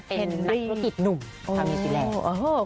เป็นตัดภักดิ์หนุ่มที่ทำงานที่แรก